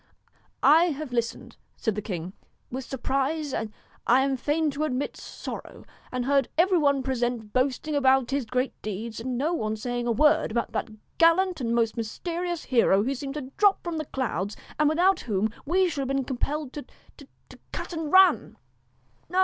'I have listened,' said the king, 'with surprise and, I am fain to admit, sorrow, and heard every one present boasting about his great deeds, and no one saying a word about that gallant and most mysterious hero who seemed to drop from the 146 clouds, and without whom we should have been DON'T compelled to to to cut and run.' KNOW 'No, no!'